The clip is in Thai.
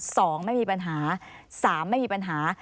สองไม่มีปัญหาสามไม่มีปัญหา